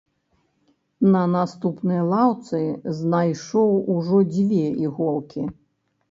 На наступнай лаўцы знайшоў ужо дзве іголкі.